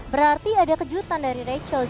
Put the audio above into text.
berarti ada kejutan dari rachel